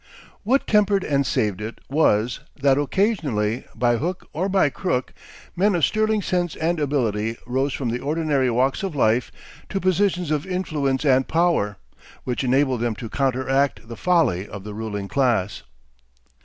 What tempered and saved it was, that, occasionally, by hook or by crook, men of sterling sense and ability rose from the ordinary walks of life to positions of influence and power, which enabled them to counteract the folly of the ruling class.